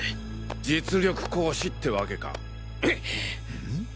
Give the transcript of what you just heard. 実力行使ってわけか。